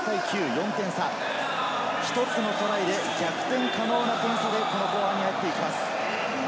４点差、１つのトライで逆転可能な点差で後半に入っていきます。